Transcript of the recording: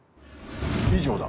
以上だ。